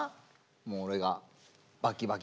もう俺がバキバキなん。